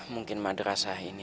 mungkin madrasah ini